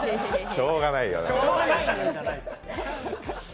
しょうがないよね。